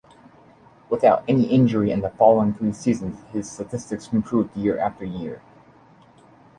Without any injury in the following three seasons, his statistics improved year after year.